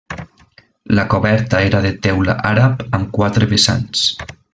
La coberta era de teula àrab amb quatre vessants.